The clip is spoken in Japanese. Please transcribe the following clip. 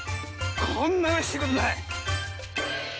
こんなうれしいことない。